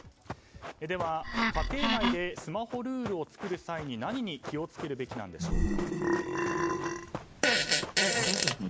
では、家庭内でスマホルールを作る際に何に気を付けるべきなんでしょうか。